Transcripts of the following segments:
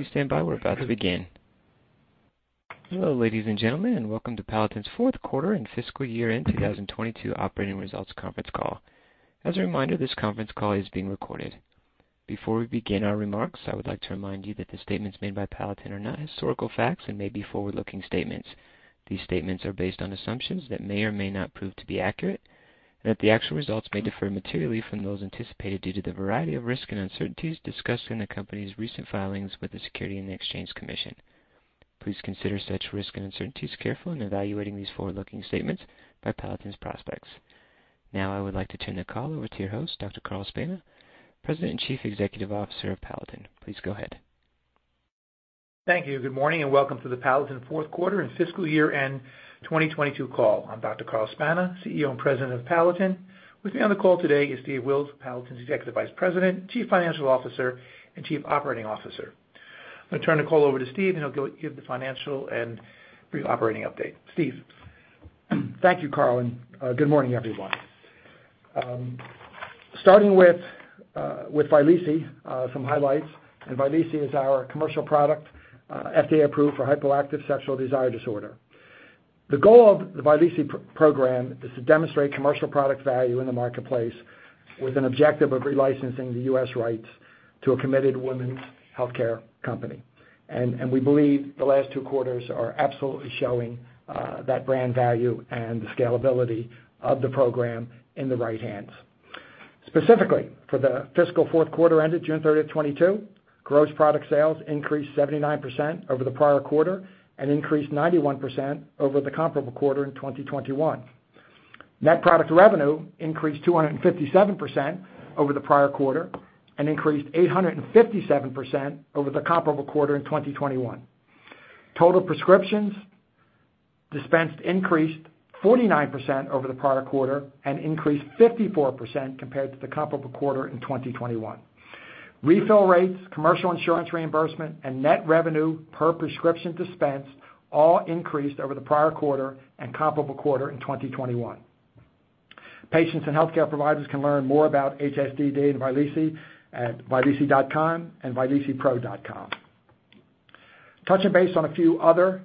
Please stand by. We're about to begin. Hello, ladies and gentlemen, and welcome to Palatin's fourth quarter and fiscal year end 2022 operating results conference call. As a reminder, this conference call is being recorded. Before we begin our remarks, I would like to remind you that the statements made by Palatin are not historical facts and may be forward-looking statements. These statements are based on assumptions that may or may not prove to be accurate, and that the actual results may differ materially from those anticipated due to the variety of risks and uncertainties discussed in the company's recent filings with the Securities and Exchange Commission. Please consider such risks and uncertainties carefully in evaluating these forward-looking statements by Palatin's prospects. Now I would like to turn the call over to your host, Dr. Carl Spana, President and Chief Executive Officer of Palatin. Please go ahead. Thank you. Good morning, and welcome to the Palatin fourth quarter and fiscal year end 2022 call. I'm Dr. Carl Spana, CEO and President of Palatin. With me on the call today is Steve Wills, Palatin's Executive Vice President, Chief Financial Officer, and Chief Operating Officer. I'm gonna turn the call over to Steve, and he'll give the financial and brief operating update. Steve. Thank you, Carl, and good morning, everyone. Starting with Vyleesi, some highlights. Vyleesi is our commercial product, FDA approved for hypoactive sexual desire disorder. The goal of the Vyleesi program is to demonstrate commercial product value in the marketplace with an objective of relicensing the US rights to a committed women's healthcare company. We believe the last two quarters are absolutely showing that brand value and the scalability of the program in the right hands. Specifically, for the fiscal fourth quarter ended June 30, 2022, gross product sales increased 79% over the prior quarter and increased 91% over the comparable quarter in 2021. Net product revenue increased 257% over the prior quarter and increased 857% over the comparable quarter in 2021. Total prescriptions dispensed increased 49% over the prior quarter and increased 54% compared to the comparable quarter in 2021. Refill rates, commercial insurance reimbursement, and net revenue per prescription dispensed all increased over the prior quarter and comparable quarter in 2021. Patients and healthcare providers can learn more about HSDD and Vyleesi at vyleesi.com and vyleesipro.com. Touching base on a few other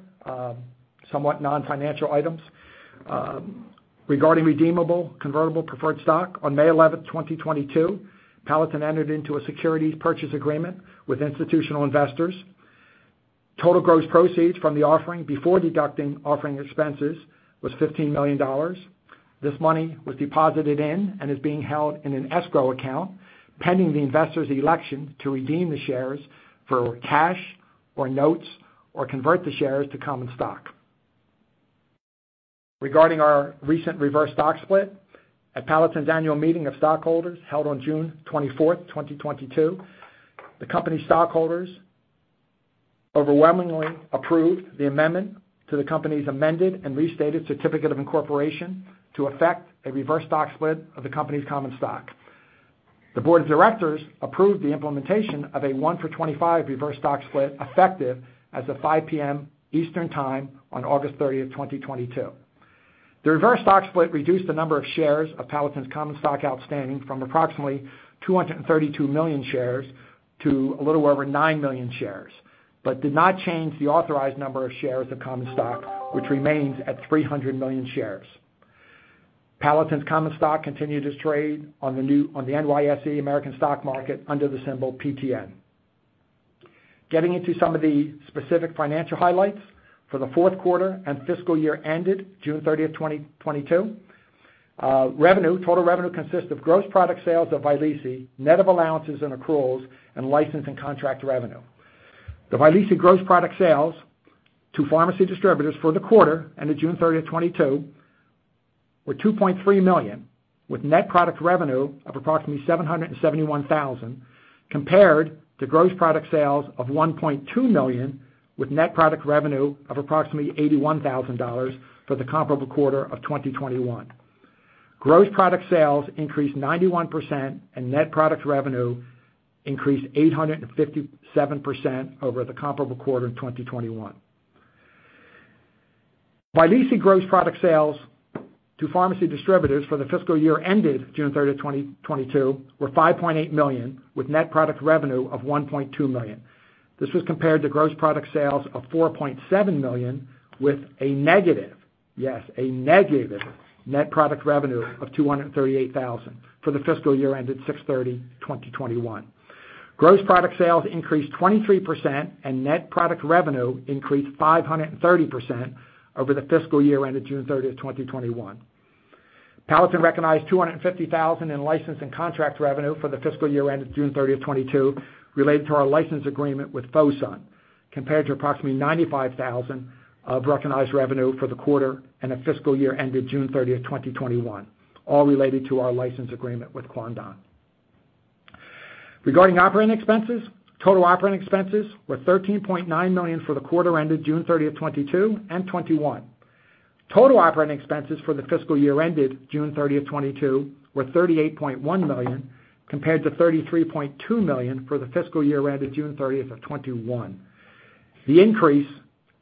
somewhat non-financial items. Regarding redeemable convertible preferred stock, on May 11, 2022, Palatin entered into a securities purchase agreement with institutional investors. Total gross proceeds from the offering before deducting offering expenses was $15 million. This money was deposited in and is being held in an escrow account, pending the investors' election to redeem the shares for cash or notes or convert the shares to common stock. Regarding our recent reverse stock split, at Palatin's annual meeting of stockholders held on June 24, 2022, the company's stockholders overwhelmingly approved the amendment to the company's amended and restated certificate of incorporation to effect a reverse stock split of the company's common stock. The board of directors approved the implementation of a 1-for-25 reverse stock split effective as of 5:00 P.M. Eastern Time on August 30, 2022. The reverse stock split reduced the number of shares of Palatin's common stock outstanding from approximately 232 million shares to a little over 9 million shares, but did not change the authorized number of shares of common stock, which remains at 300 million shares. Palatin's common stock continues to trade on the NYSE American stock market under the symbol PTN. Getting into some of the specific financial highlights for the fourth quarter and fiscal year ended June 30, 2022. Revenue, total revenue consists of gross product sales of Vyleesi, net of allowances and accruals, and license and contract revenue. The Vyleesi gross product sales to pharmacy distributors for the quarter ended June 30, 2022, were $2.3 million, with net product revenue of approximately $771,000, compared to gross product sales of $1.2 million with net product revenue of approximately $81,000 for the comparable quarter of 2021. Gross product sales increased 91%, and net product revenue increased 857% over the comparable quarter in 2021. Vyleesi gross product sales to pharmacy distributors for the fiscal year ended June 30, 2022, were $5.8 million, with net product revenue of $1.2 million. This was compared to gross product sales of $4.7 million with a negative net product revenue of $238,000 for the fiscal year ended June 30, 2021. Gross product sales increased 23%, and net product revenue increased 530% over the fiscal year ended June 30, 2021. Palatin recognized $250,000 in license and contract revenue for the fiscal year ended June 30, 2022, related to our license agreement with Fosun, compared to approximately $95,000 of recognized revenue for the quarter and the fiscal year ended June 30, 2021, all related to our license agreement with Kwangdong. Regarding operating expenses, total operating expenses were $13.9 million for the quarter ended June 30, 2022 and 2021. Total operating expenses for the fiscal year ended June 30, 2022, were $38.1 million, compared to $33.2 million for the fiscal year ended June 30, 2021. The increase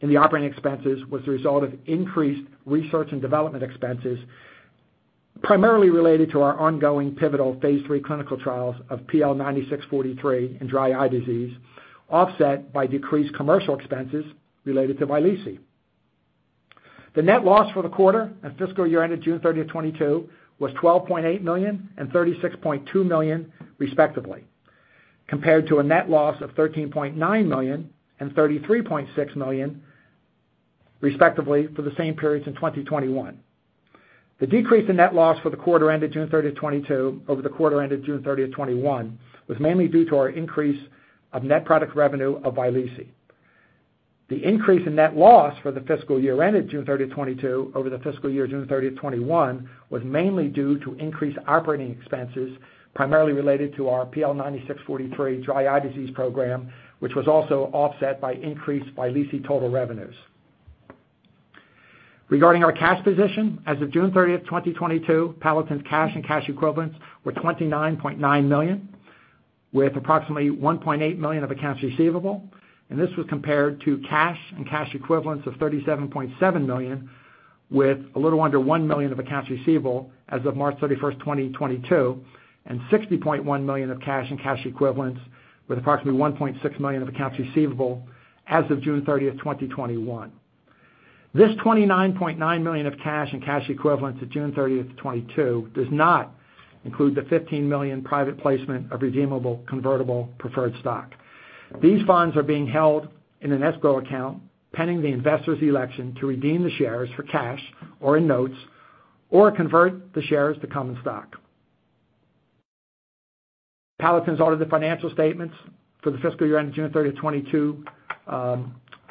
in the operating expenses was the result of increased research and development expenses, primarily related to our ongoing pivotal phase III clinical trials of PL9643 in dry eye disease, offset by decreased commercial expenses related to Vyleesi. The net loss for the quarter and fiscal year ended June 30 2022 was $12.8 million and $36.2 million respectively, compared to a net loss of $13.9 million and $33.6 million respectively for the same periods in 2021. The decrease in net loss for the quarter ended June 30, 2022 over the quarter ended June 30, 2021 was mainly due to our increase of net product revenue of Vyleesi. The increase in net loss for the fiscal year ended June 30, 2022 over the fiscal year June 30, 2021 was mainly due to increased operating expenses, primarily related to our PL9643 dry eye disease program, which was also offset by increase Vyleesi total revenues. Regarding our cash position as of June 30, 2022, Palatin's cash and cash equivalents were $29.9 million, with approximately $1.8 million of accounts receivable, and this was compared to cash and cash equivalents of $37.7 million, with a little under $1 million of accounts receivable as of March 31, 2022, and $60.1 million of cash and cash equivalents, with approximately $1.6 million of accounts receivable as of June 30, 2021. This $29.9 million of cash and cash equivalents as of June 30, 2022 does not include the $15 million private placement of redeemable convertible preferred stock. These funds are being held in an escrow account pending the investor's election to redeem the shares for cash or in notes or convert the shares to common stock. Palatin's audit of financial statements for the fiscal year end of June 30, 2022,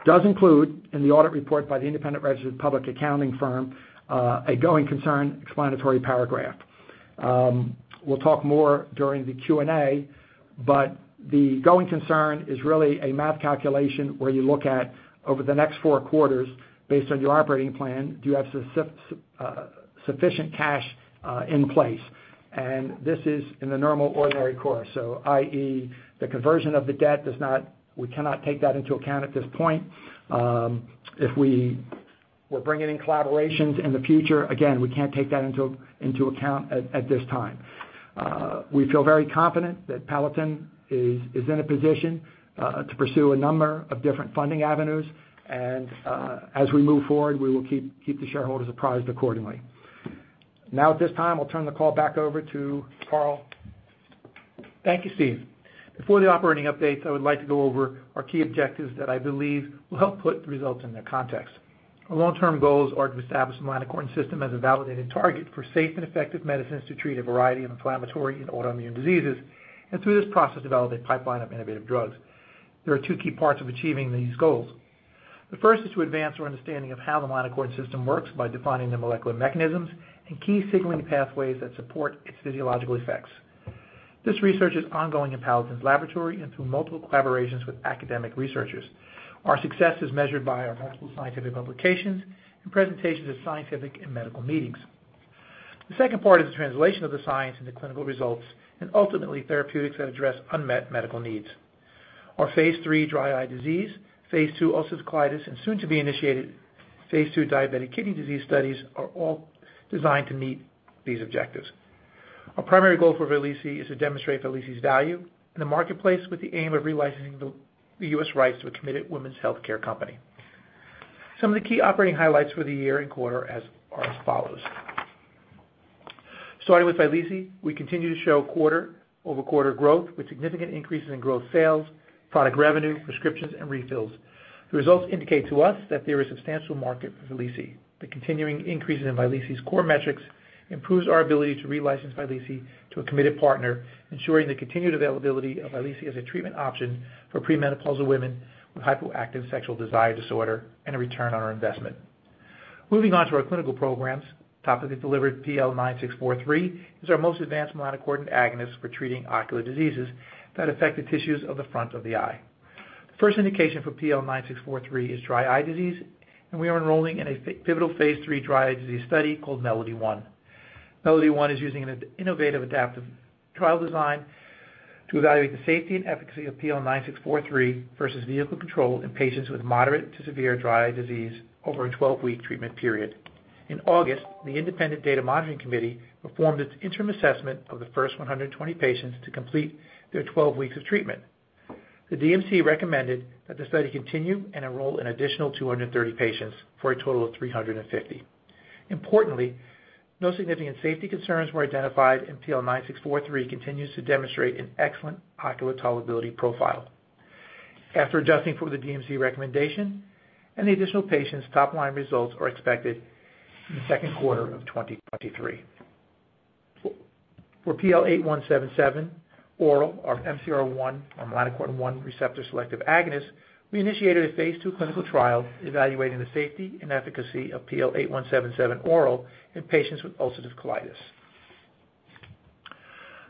does include in the audit report by the independent registered public accounting firm a going concern explanatory paragraph. We'll talk more during the Q&A, but the going concern is really a math calculation where you look at over the next four quarters based on your operating plan, do you have sufficient cash in place? This is in the normal ordinary course. i.e., the conversion of the debt does not. We cannot take that into account at this point. If we were bringing in collaborations in the future, again, we can't take that into account at this time. We feel very confident that Palatin is in a position to pursue a number of different funding avenues. As we move forward, we will keep the shareholders apprised accordingly. Now at this time, I'll turn the call back over to Carl. Thank you, Steve. Before the operating updates, I would like to go over our key objectives that I believe will help put the results in their context. Our long-term goals are to establish the melanocortin system as a validated target for safe and effective medicines to treat a variety of inflammatory and autoimmune diseases, and through this process, develop a pipeline of innovative drugs. There are two key parts of achieving these goals. The first is to advance our understanding of how the melanocortin system works by defining the molecular mechanisms and key signaling pathways that support its physiological effects. This research is ongoing in Palatin's laboratory and through multiple collaborations with academic researchers. Our success is measured by our multiple scientific publications and presentations at scientific and medical meetings. The second part is the translation of the science into clinical results and ultimately therapeutics that address unmet medical needs. Our phase III dry eye disease, phase II ulcerative colitis, and soon to be initiated phase II diabetic kidney disease studies are all designed to meet these objectives. Our primary goal for Vyleesi is to demonstrate Vyleesi's value in the marketplace with the aim of relicensing the US rights to a committed women's healthcare company. Some of the key operating highlights for the year and quarter are as follows. Starting with Vyleesi, we continue to show quarter-over-quarter growth with significant increases in gross sales, product revenue, prescriptions, and refills. The results indicate to us that there is substantial market for Vyleesi. The continuing increases in Vyleesi's core metrics improves our ability to relicense Vyleesi to a committed partner, ensuring the continued availability of Vyleesi as a treatment option for premenopausal women with hypoactive sexual desire disorder and a return on our investment. Moving on to our clinical programs, topically delivered PL9643 is our most advanced melanocortin agonist for treating ocular diseases that affect the tissues of the front of the eye. The first indication for PL9643 is dry eye disease, and we are enrolling in a pivotal phase III dry eye disease study called MELODY-1. MELODY-1 is using an innovative adaptive trial design to evaluate the safety and efficacy of PL9643 versus vehicle control in patients with moderate to severe dry eye disease over a 12-week treatment period. In August, the independent data monitoring committee performed its interim assessment of the first 120 patients to complete their 12 weeks of treatment. The DMC recommended that the study continue and enroll an additional 230 patients for a total of 350. Importantly, no significant safety concerns were identified, and PL9643 continues to demonstrate an excellent ocular tolerability profile. After adjusting for the DMC recommendation and the additional patients, top-line results are expected in the second quarter of 2023. For PL8177 oral, MC1R or melanocortin-1 receptor selective agonist, we initiated a phase II clinical trial evaluating the safety and efficacy of PL8177 oral in patients with ulcerative colitis.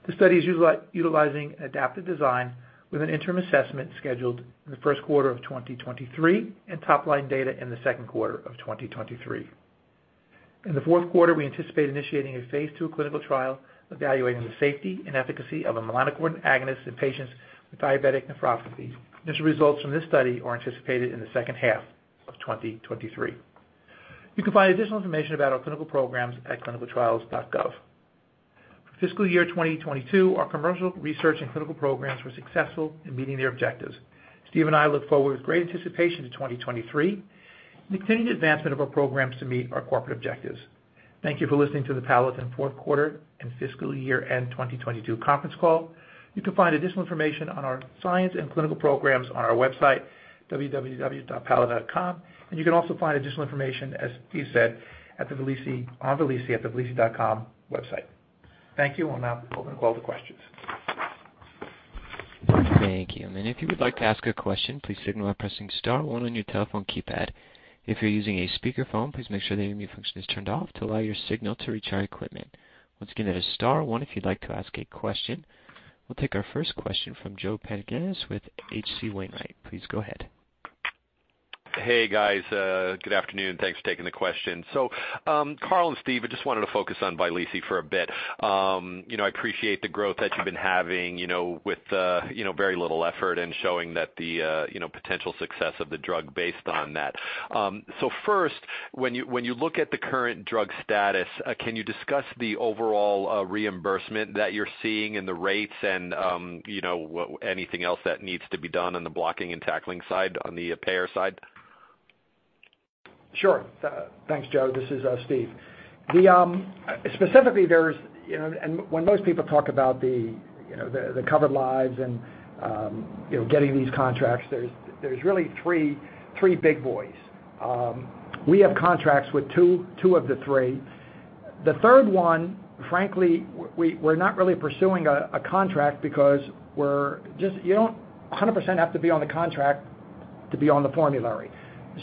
The study is utilizing adaptive design with an interim assessment scheduled in the first quarter of 2023 and top-line data in the second quarter of 2023. In the fourth quarter, we anticipate initiating a phase II clinical trial evaluating the safety and efficacy of a melanocortin agonist in patients with diabetic nephropathy. Initial results from this study are anticipated in the second half of 2023. You can find additional information about our clinical programs at clinicaltrials.gov. For fiscal year 2022, our commercial research and clinical programs were successful in meeting their objectives. Steve and I look forward with great anticipation to 2023 and the continued advancement of our programs to meet our corporate objectives. Thank you for listening to the Palatin fourth quarter and fiscal year end 2022 conference call. You can find additional information on our science and clinical programs on our website www.palatin.com, and you can also find additional information, as Steve said, at the Vyleesi, on Vyleesi at the vyleesi.com website. Thank you. We'll now open the call to questions. Thank you. If you would like to ask a question, please signal by pressing star one on your telephone keypad. If you're using a speakerphone, please make sure the mute function is turned off to allow your signal to reach our equipment. Once again, that is star one if you'd like to ask a question. We'll take our first question from Joe Pantginis with H.C. Wainwright & Co. Please go ahead. Hey, guys. Good afternoon. Thanks for taking the question. Carl and Steve, I just wanted to focus on Vyleesi for a bit. You know, I appreciate the growth that you've been having, you know, with very little effort and showing that the potential success of the drug based on that. First, when you look at the current drug status, can you discuss the overall reimbursement that you're seeing and the rates and, you know, anything else that needs to be done on the blocking and tackling side on the payer side? Sure. Thanks, Joe. This is Steve. Specifically, there's you know when most people talk about the you know the covered lives and you know getting these contracts, there's really three big boys. We have contracts with two of the three. The third one, frankly, we're not really pursuing a contract because you don't 100% have to be on the contract to be on the formulary.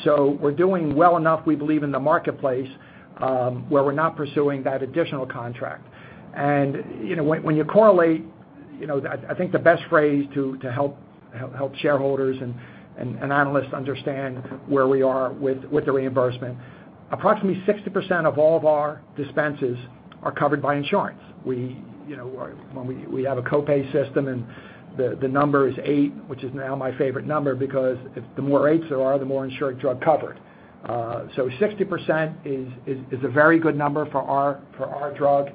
We're doing well enough, we believe in the marketplace, where we're not pursuing that additional contract. You know, when you correlate, you know, I think the best phrase to help shareholders and analysts understand where we are with the reimbursement, approximately 60% of all of our dispenses are covered by insurance. You know, when we have a copay system and the number is eight, which is now my favorite number because if the more eights there are, the more insured drug covered. So 60% is a very good number for our drug.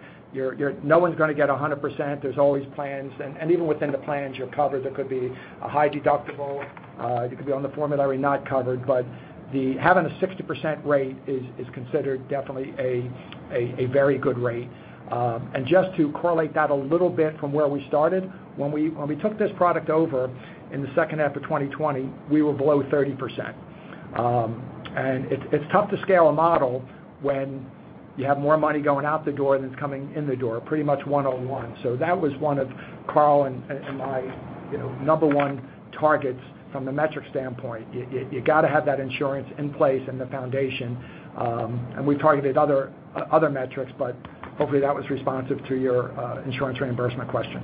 No one's gonna get 100%. There's always plans and even within the plans you're covered, there could be a high deductible, you could be on the formulary not covered, but having a 60% rate is considered definitely a very good rate. Just to correlate that a little bit from where we started, when we took this product over in the second half of 2020, we were below 30%. It's tough to scale a model when you have more money going out the door than is coming in the door, pretty much one on one. That was one of Carl and my number one targets from the metric standpoint. You gotta have that insurance in place in the foundation, and we targeted other metrics, but hopefully that was responsive to your insurance reimbursement question.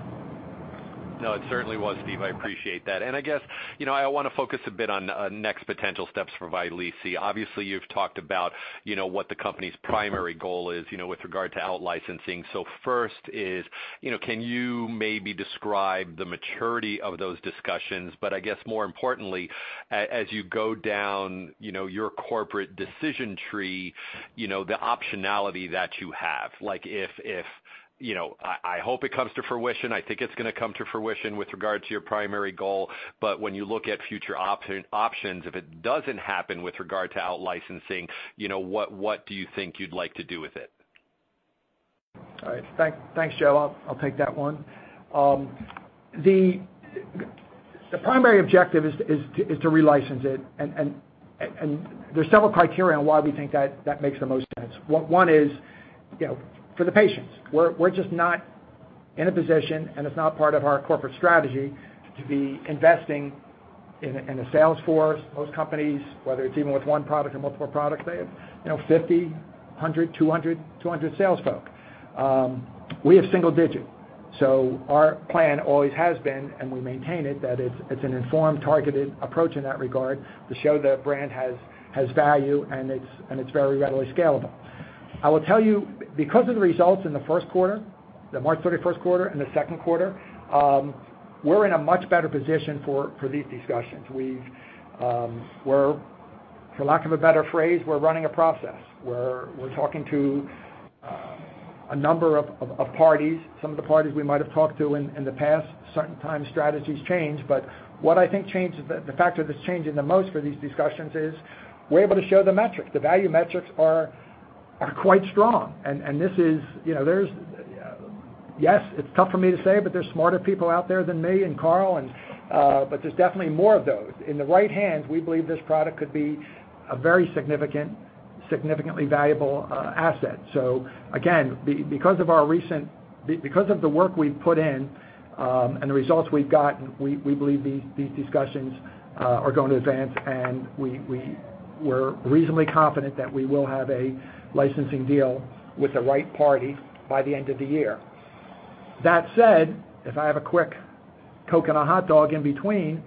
No, it certainly was, Steve. I appreciate that. I guess, you know, I wanna focus a bit on next potential steps for Vyleesi. Obviously, you've talked about, you know, what the company's primary goal is, you know, with regard to out licensing. First is, you know, can you maybe describe the maturity of those discussions, but I guess more importantly, as you go down, you know, your corporate decision tree, you know, the optionality that you have, like if, you know, I hope it comes to fruition, I think it's gonna come to fruition with regard to your primary goal, but when you look at future options, if it doesn't happen with regard to out licensing, you know, what do you think you'd like to do with it? All right. Thanks, Joe. I'll take that one. The primary objective is to re-license it. There's several criteria on why we think that makes the most sense. One is, you know, for the patients, we're just not in a position, and it's not part of our corporate strategy to be investing in a sales force. Most companies, whether it's even with one product or multiple products, they have, you know, 50, 100, 200 sales folk. We have single digit. Our plan always has been, and we maintain it, that it's an informed, targeted approach in that regard to show the brand has value and it's very readily scalable. I will tell you, because of the results in the first quarter, the March 31 quarter and the second quarter, we're in a much better position for these discussions. For lack of a better phrase, we're running a process. We're talking to a number of parties, some of the parties we might have talked to in the past. Certain times strategies change, but what I think changes the factor that's changing the most for these discussions is we're able to show the metrics. The value metrics are quite strong. This is, you know, there's, yes, it's tough for me to say, but there's smarter people out there than me and Carl, but there's definitely more of those. In the right hands, we believe this product could be a very significant, significantly valuable asset. Again, because of our recent, because of the work we've put in, and the results we've gotten, we believe these discussions are going to advance and we're reasonably confident that we will have a licensing deal with the right party by the end of the year. That said, if I have a quick coke and a hot dog in between,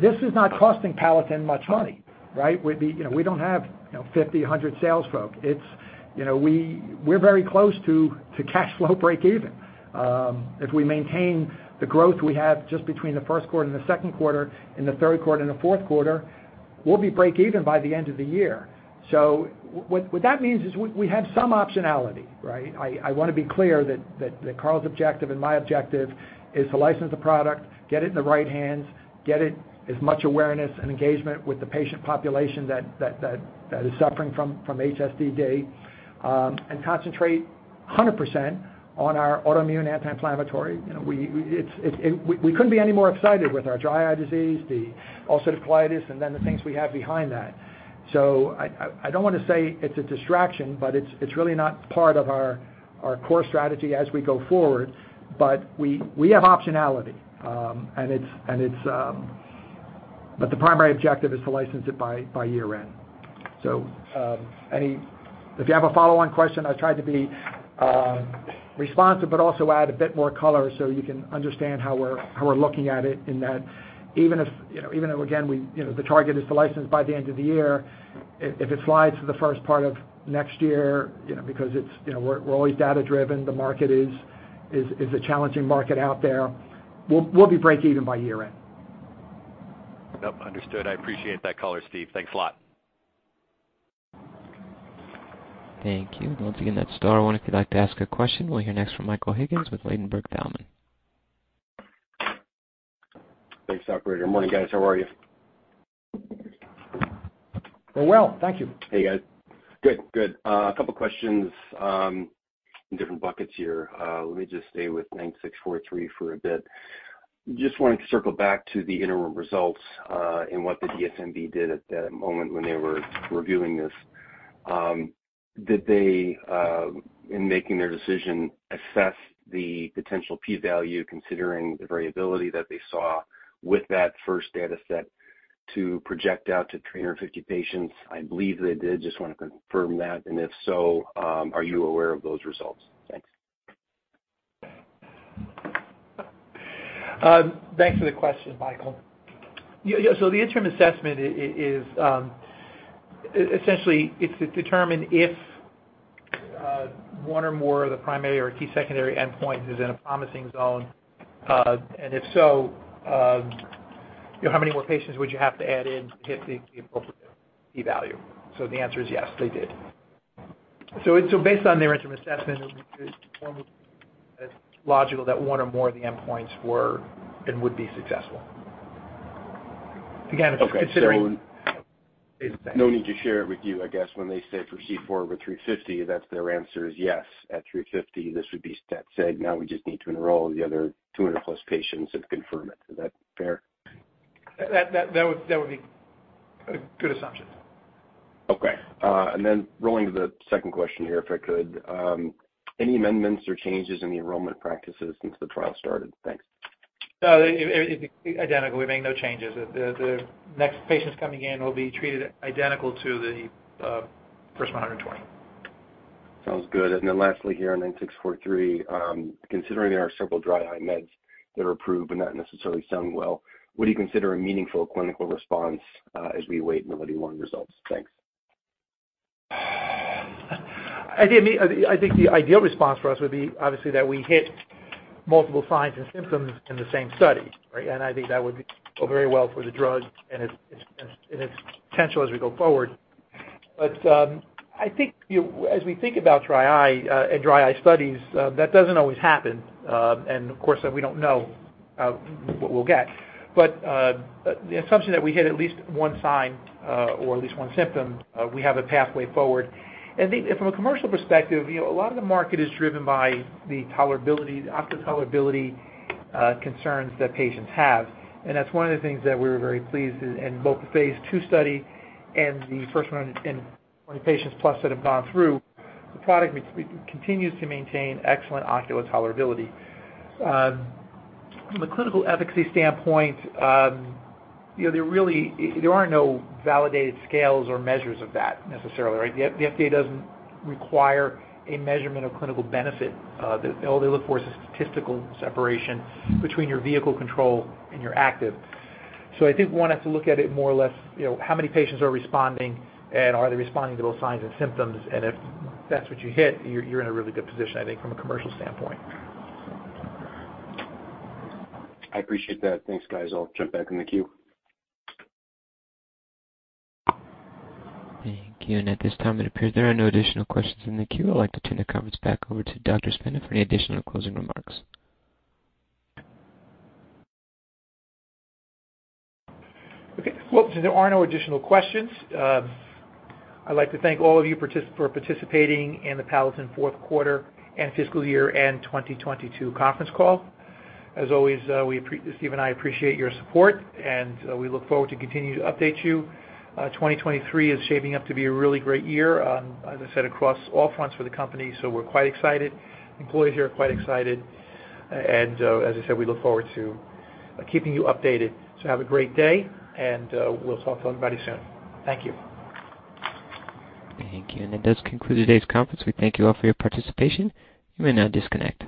this is not costing Palatin much money, right? We'd be, you know, we don't have, you know, 50, 100 sales folk. It's, you know, we're very close to cash flow breakeven. If we maintain the growth we have just between the first quarter and the second quarter and the third quarter and the fourth quarter, we'll be break even by the end of the year. What that means is we have some optionality, right? I wanna be clear that Carl's objective and my objective is to license the product, get it in the right hands, get it as much awareness and engagement with the patient population that is suffering from HSDD, and concentrate 100% on our autoimmune anti-inflammatory. You know, we couldn't be any more excited with our dry eye disease, the ulcerative colitis, and then the things we have behind that. I don't wanna say it's a distraction, but it's really not part of our core strategy as we go forward. We have optionality, and it's the primary objective is to license it by year end. If you have a follow-on question, I tried to be responsive, but also add a bit more color so you can understand how we're looking at it in that. Even if, you know, even though again, we, you know, the target is to license by the end of the year, if it slides to the first part of next year, you know, because it's, you know, we're always data-driven, the market is a challenging market out there, we'll be break even by year end. Yep, understood. I appreciate that color, Steve. Thanks a lot. Thank you. Once again, that's star one if you'd like to ask a question. We'll hear next from Michael Higgins with Ladenburg Thalmann. Thanks, operator. Good morning, guys. How are you? We're well, thank you. Hey, guys. Good. Good. A couple questions in different buckets here. Let me just stay with PL9643 for a bit. Just wanted to circle back to the interim results, and what the DSMB did at that moment when they were reviewing this. Did they, in making their decision, assess the potential P value, considering the variability that they saw with that first data set to project out to 350 patients? I believe they did. Just wanna confirm that. If so, are you aware of those results? Thanks. Thanks for the question, Michael. Yeah, so the interim assessment is essentially to determine if one or more of the primary or key secondary endpoint is in a promising zone. And if so, you know, how many more patients would you have to add in to hit the appropriate P value. So the answer is yes, they did. So based on their interim assessment, it's logical that one or more of the endpoints were and would be successful. Again, it's considering Okay. No need to share it with you, I guess when they say proceed forward with 350, that's their answer is yes. At 350, this would be stat sig. Now we just need to enroll the other 200+ patients and confirm it. Is that fair? That would be a good assumption. Okay. Rolling to the second question here, if I could. Any amendments or changes in the enrollment practices since the trial started? Thanks. No, it's identical. We made no changes. The next patients coming in will be treated identical to the first 120. Sounds good. Lastly here on PL9643, considering there are several dry eye meds that are approved but not necessarily selling well, what do you consider a meaningful clinical response, as we await the 91 results? Thanks. I think the ideal response for us would be obviously that we hit multiple signs and symptoms in the same study, right? I think that would go very well for the drug and its potential as we go forward. I think, you know, as we think about dry eye, and dry eye studies, that doesn't always happen. Of course, we don't know what we'll get. The assumption that we hit at least one sign, or at least one symptom, we have a pathway forward. I think from a commercial perspective, you know, a lot of the market is driven by the tolerability, ocular tolerability, concerns that patients have, and that's one of the things that we were very pleased in both the phase II study and the first one in 20 patients plus that have gone through. The product continues to maintain excellent ocular tolerability. From a clinical efficacy standpoint, you know, there are no validated scales or measures of that necessarily, right? The FDA doesn't require a measurement of clinical benefit. All they look for is a statistical separation between your vehicle control and your active. I think one has to look at it more or less, you know, how many patients are responding and are they responding to those signs and symptoms, and if that's what you hit, you're in a really good position, I think, from a commercial standpoint. I appreciate that. Thanks, guys. I'll jump back in the queue. Thank you. At this time, it appears there are no additional questions in the queue. I'd like to turn the conference back over to Dr. Spana for any additional closing remarks. Okay. Well, if there are no additional questions, I'd like to thank all of you for participating in the Palatin fourth quarter and fiscal year end 2022 conference call. As always, Steve and I appreciate your support, and we look forward to continuing to update you. 2023 is shaping up to be a really great year, as I said, across all fronts for the company, so we're quite excited. Employees here are quite excited. As I said, we look forward to keeping you updated. Have a great day, and we'll talk to everybody soon. Thank you. Thank you. That does conclude today's conference. We thank you all for your participation. You may now disconnect.